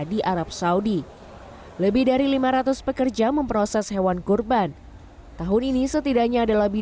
di arab saudi lebih dari lima ratus pekerja memproses hewan kurban tahun ini setidaknya ada lebih